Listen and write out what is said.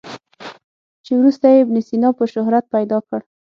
چې وروسته یې ابن سینا په شهرت پیدا کړ.